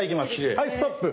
はいストップ。